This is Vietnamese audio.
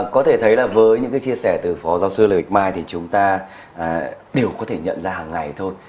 có thể thấy là với những cái chia sẻ từ phó giáo sư lê mai thì chúng ta đều có thể nhận ra hàng ngày thôi